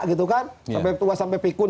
gitu kan sampai tua sampai pikun